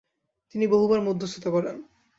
তিনি বহুবার মধ্যস্থতা করেন।